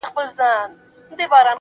o مړ مي مړوند دی.